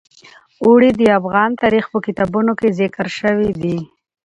اوړي د افغان تاریخ په کتابونو کې ذکر شوی دي.